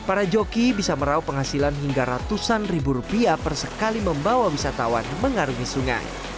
para joki bisa merauh penghasilan hingga ratusan ribu rupiah per sekali membawa wisatawan mengarungi sungai